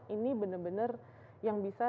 ini benar benar yang bisa